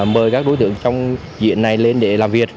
mời các đối tượng trong diện này lên để làm việc